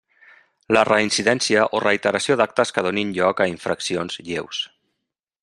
La reincidència o reiteració d'actes que donin lloc a infraccions lleus.